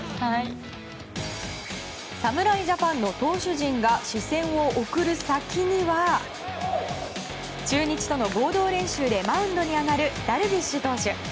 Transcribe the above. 侍ジャパンの投手陣が視線を送る先には中日との合同練習でマウンドに上がるダルビッシュ投手。